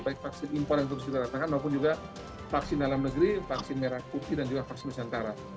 baik vaksin impor yang terus kita datangkan maupun juga vaksin dalam negeri vaksin merah putih dan juga vaksin nusantara